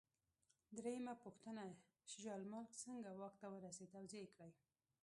درېمه پوښتنه: شجاع الملک څنګه واک ته ورسېد؟ توضیح یې کړئ.